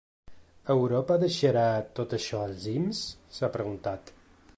Europa deixarà tot això als llimbs?, s’ha preguntat.